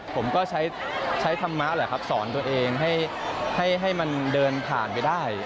ผมก็ใช้ธรรมะแหละครับสอนตัวเองให้มันเดินผ่านไปได้